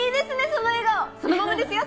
その笑顔そのままですよ